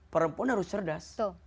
perempuan harus cerdas